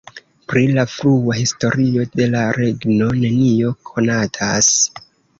Pri la frua historio de la regno nenio konatas.